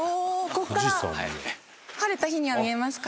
ここから晴れた日には見えますか？